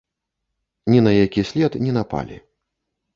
Ні на які след не напалі.